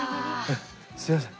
すいません。